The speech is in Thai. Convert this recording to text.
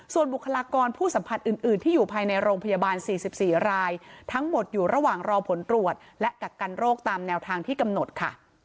ส่วนบุคลากรผู้สัมผัสอื่นที่อยู่ภายในโรงพยาบาล๔๔รายทั้งหมดอยู่ระหว่างรอผลตรวจและกักกันโรคตามแนวทางที่กำหนดค่ะ